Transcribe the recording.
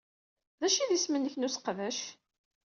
D acu i d isem-inek n useqdac?